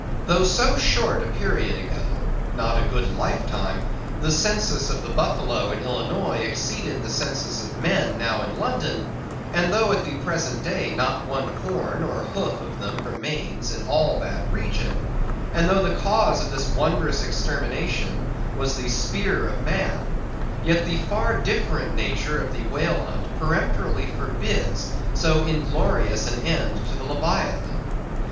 Though so short a period ago—not a good lifetime—the census of the buffalo in Illinois exceeded the census of men now in London, and though at the present day not one horn or hoof of them remains in all that region; and though the cause of this wondrous extermination was the spear of man; yet the far different nature of the whale hunt peremptorily forbids so inglorious an end to the Leviathan.